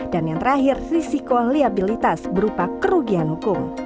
dan yang terakhir risiko liabilitas berupa kerugian hukum